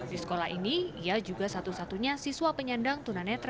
di sekolah ini ia juga satu satunya siswa penyandang tunanetra